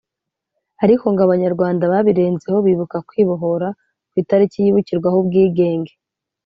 Ariko ngo Abanyarwanda babirenzeho bibuka kwibohora ku itariki yibukirwaho ubwigenge